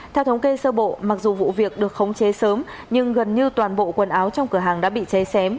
theo thống kê sơ bộ mặc dù vụ việc được khống chế sớm nhưng gần như toàn bộ quần áo trong cửa hàng đã bị cháy xém